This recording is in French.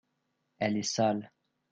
elle est sale.